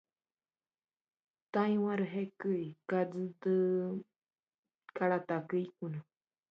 Mas sea así, yo no os he agravado: